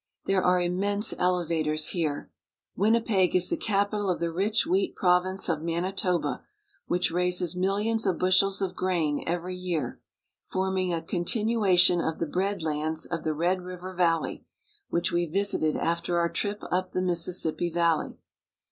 There are immense elevators here. Winnipeg is the capi tal of the rich wheat province of Manitoba, which raises millions of bushels of grain every year, forming a continu ation of the bread lands of the Red River Valley, which we visited after our trip up the Mississippi Valley.